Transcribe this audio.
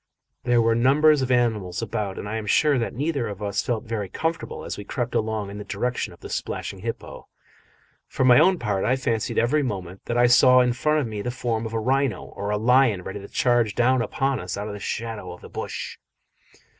There were numbers of animals about, and I am sure that neither of us felt very comfortable as we crept along in the direction of the splashing hippo; for my own part I fancied every moment that I saw in front of me the form of a rhino or a lion ready to charge down upon us out of the shadow of the bush.